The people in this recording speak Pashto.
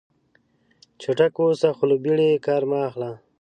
چټک اوسه خو له بیړې کار مه اخله.